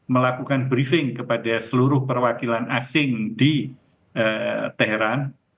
melakukan briefing kepada seluruh perwakilan asing di teheran